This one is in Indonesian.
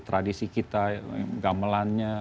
tradisi kita gamelannya